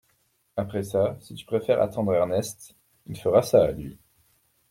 Après ça, si tu préfères attendre Ernest… il fera ça, lui !